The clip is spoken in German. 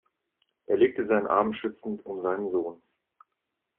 Er legte seinen Arm schützend um seinen Sohn.